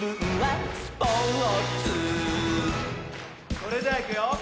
それじゃいくよ